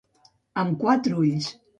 Amb quatre ulls.